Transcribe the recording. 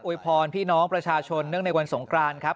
พรพี่น้องประชาชนเนื่องในวันสงกรานครับ